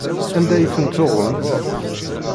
Anda ay ten-tuɣemt?